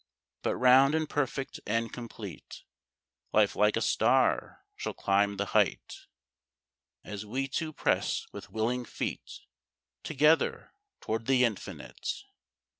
But round and perfect and complete, Life like a star shall climb the height, As we two press with willing feet Together toward the Infinite.